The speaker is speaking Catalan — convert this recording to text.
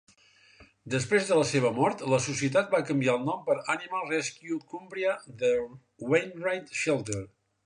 Després de la seva mort, la societat va canviar el nom per "Animal Rescue Cumbria - The Wainwright Shelter".